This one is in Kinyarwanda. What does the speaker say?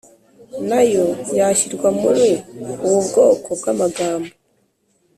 Na yo yashyirwa muri ubu bwoko bw’amagambo?